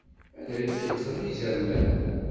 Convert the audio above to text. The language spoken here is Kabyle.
Ad d-am-kellxen yizerman.